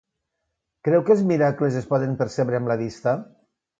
Creu que els miracles es poden percebre amb la vista?